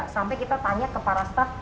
sampai kita tanya ke para staff